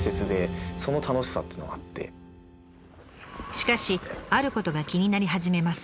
しかしあることが気になり始めます。